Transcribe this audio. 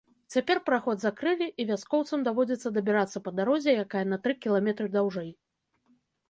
Цяпер праход закрылі, і вяскоўцам даводзіцца дабірацца па дарозе, якая на тры кіламетры даўжэй.